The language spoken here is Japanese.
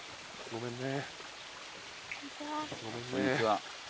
ごめんね。